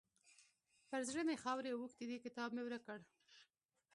پر زړه مې خاورې اوښتې دي؛ کتاب مې ورک کړ.